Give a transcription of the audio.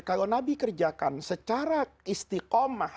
kalau nabi kerjakan secara istiqomah